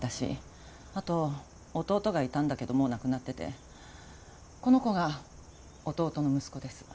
あと弟がいたんだけどもう亡くなっててこの子が弟の息子です。